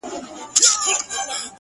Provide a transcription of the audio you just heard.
پام چي د غزل لېمه دې تور نه سي!!